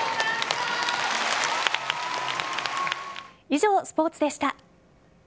以上、スポーツでした。